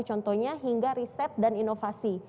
contohnya hingga riset dan inovasi